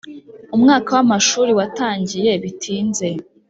umwaka w ‘amashuri watangiye bitinze.